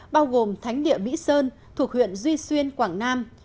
bao gồm thánh địa mỹ sơn thuộc huyện duy xuyên quảng nam